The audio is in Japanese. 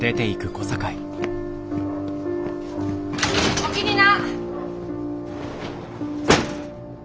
おおきにな！